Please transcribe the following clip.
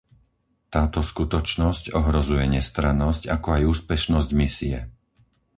Táto skutočnosť ohrozuje nestrannosť ako aj úspešnosť misie.